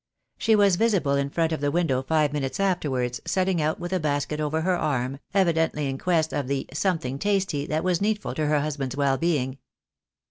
She was visible in front of the window five minutes afterwards, setting out with a basket over her arm, evidently in quest of the "something tasty" that was needful to her husband's well being.